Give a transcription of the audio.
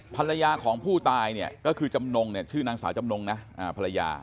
ภรรยาของผู้ตายเนี่ยก็คือจำนงเนี่ยชื่อนางสาวจำนงนะภรรยา